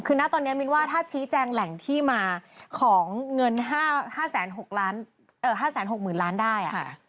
คือณตอนนี้มินว่าถ้าชี้แจงแหล่งที่มาของเงิน๕๖๐๐๐ล้านได้